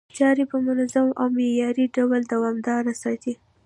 چاري په منظم او معياري ډول دوامداره ساتي،